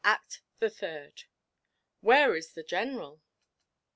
ACT THE THIRD WHERE IS THE GENERAL?